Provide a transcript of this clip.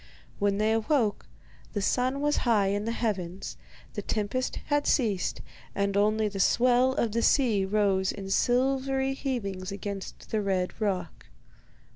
When they awoke, the sun was high in the heavens, the tempest had cased, and only the swell of the sea rose in silvery heavings against the red rock.